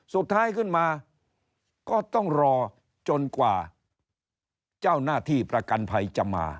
สุดท้ายขึ้นมาก็ต้องรอจนกว่าเจ้าหน้าที่ประกันภัยจะมา